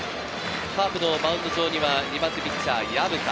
カープのマウンド上には２番手ピッチャー・薮田。